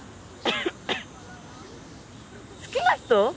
好きな人！？